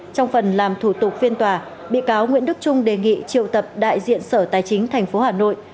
trong phần làm thủ tục phiên tòa bị cáo nguyễn đức trung đề nghị triệu tập đại diện sở tài chính tp hà nội